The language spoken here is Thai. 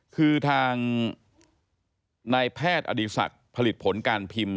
คือทางนายแพทย์อดีศักดิ์ผลิตผลการพิมพ์